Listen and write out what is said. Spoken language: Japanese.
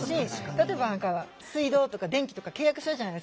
例えば水道とか電気とか契約するじゃないですか。